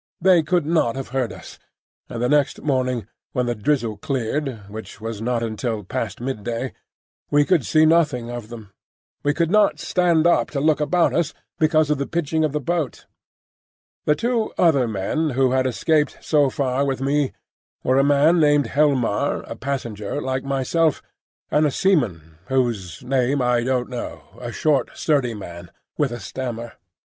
They could not have heard us, and the next morning when the drizzle cleared,—which was not until past midday,—we could see nothing of them. We could not stand up to look about us, because of the pitching of the boat. The two other men who had escaped so far with me were a man named Helmar, a passenger like myself, and a seaman whose name I don't know,—a short sturdy man, with a stammer.